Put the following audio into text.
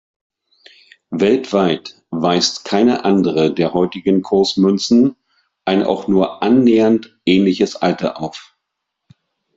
Weltweit weist keine andere der heutigen Kursmünzen ein auch nur annähernd ähnliches Alter auf.